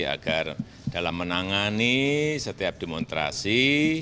agar dalam menangani setiap demonstrasi